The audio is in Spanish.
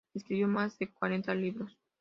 Escribió más de cuarenta libros.